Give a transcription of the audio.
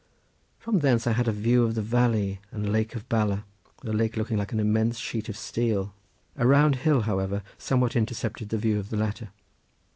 From thence I had a view of the valley and lake of Bala, the lake looking like an immense sheet of steel. A round hill, however, somewhat intercepted the view of the latter.